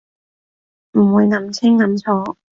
唔會諗清諗楚